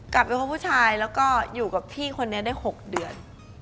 กลับไปพบผู้ชายแล้วก็อยู่กับพี่คนนี้ได้๖เดือน